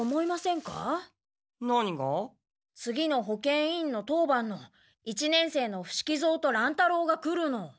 次の保健委員の当番の一年生の伏木蔵と乱太郎が来るの。